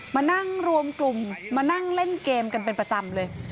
มานั่งรวมกลุ่มมานั่งเล่นเกมกันเป็นประจำเลย